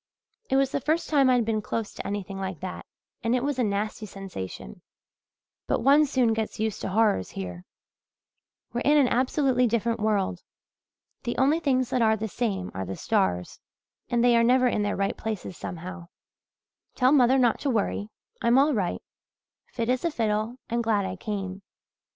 It was the first time I'd been close to anything like that and it was a nasty sensation, but one soon gets used to horrors here. We're in an absolutely different world. The only things that are the same are the stars and they are never in their right places, somehow. "Tell mother not to worry I'm all right fit as a fiddle and glad I came.